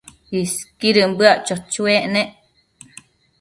Isquidën bëac cho-choec nec